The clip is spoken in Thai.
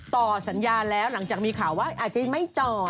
ต่อสัญญาแล้วหลังจากมีข่าวว่าอาจจะไม่จอด